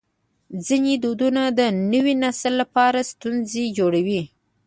ځینې دودونه د نوي نسل لپاره ستونزې جوړوي.